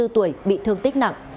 hai mươi bốn tuổi bị thương tích nặng